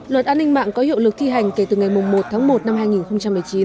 luật an ninh mạng có hiệu lực thi hành kể từ ngày một tháng một năm hai nghìn một mươi chín